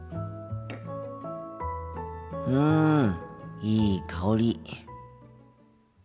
うんいい香り。